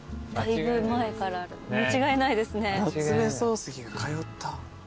夏目漱石が通った。